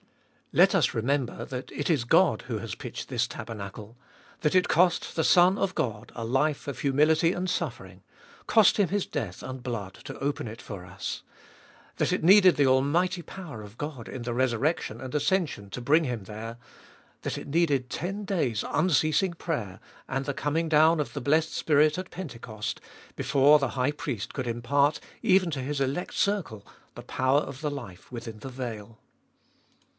Let us remember that it is God, who has pitched this tabernacle ; that it cost the Son of God a life of humility and suffering, cost Him His death and blood, to open it for us ; that it needed the almighty power of God in the resurrection and ascension to bring Him there; that it needed ten days unceasing prayer, and the coming down of the blessed Spirit at Pentecost, before the High Priest could impart even to His elect circle the power of the life within the veil.